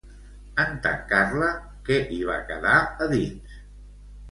En tancar-la, què hi va quedar a dins?